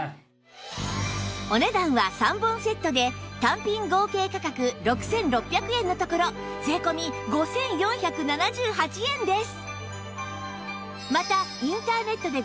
お値段は３本セットで単品合計価格６６００円のところ税込５４７８円です